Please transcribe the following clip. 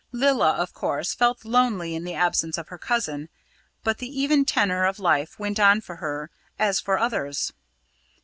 Lilla, of course, felt lonely in the absence of her cousin, but the even tenor of life went on for her as for others.